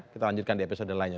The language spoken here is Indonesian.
kita lanjutkan di episode lainnya